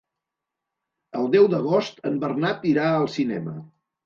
El deu d'agost en Bernat irà al cinema.